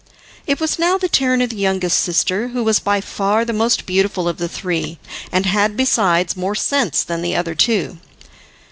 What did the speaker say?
It was now the turn of the youngest sister, who was by far the most beautiful of the three, and had, besides, more sense than the other two.